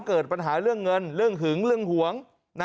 เกิดปัญหาเรื่องเงินเรื่องหึงเรื่องหวง